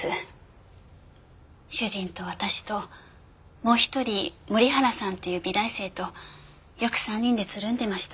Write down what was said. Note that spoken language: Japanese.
主人と私ともう１人森原さんっていう美大生とよく３人でつるんでました。